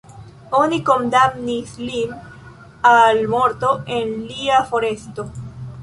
Oni kondamnis lin al morto en lia foresto.